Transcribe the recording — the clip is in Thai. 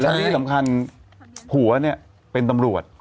นี่ที่สำคัญผัวเป็นตำรวจ